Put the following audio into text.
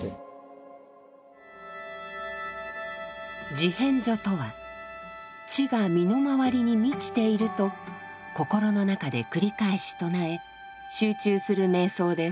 「地遍処」とは地が身の回りに満ちていると心の中で繰り返し唱え集中する瞑想です。